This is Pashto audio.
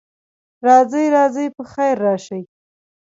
راځئ، راځئ، پخیر راشئ.